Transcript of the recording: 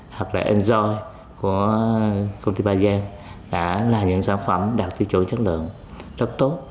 hoặc là enzoi của công ty ba giang đã là những sản phẩm đạt tiêu chuẩn chất lượng rất tốt